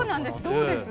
どうです？